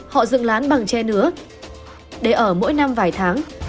họ dựng lán bằng tre nứa để ở mỗi năm vài tháng